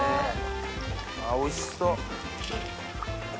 あおいしそう。